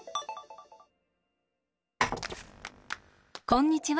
こんにちは。